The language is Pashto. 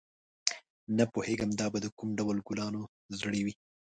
نه پوهېږم دا به د کوم ډول ګلانو زړي وي.